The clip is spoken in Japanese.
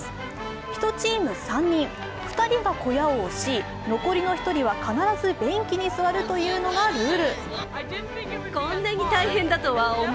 １チーム３人、２人が小屋を押し残りの１人は必ず便器に座るというのがルール。